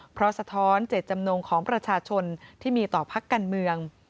เพราะสะท้อนเจตจำนงของประชาชนที่มีต่อพักการเมือง